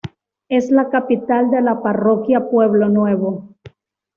Es la capital de la parroquia Pueblo Nuevo.